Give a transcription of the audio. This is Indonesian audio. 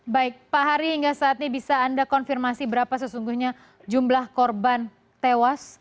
baik pak hari hingga saat ini bisa anda konfirmasi berapa sesungguhnya jumlah korban tewas